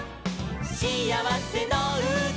しあわせのうた」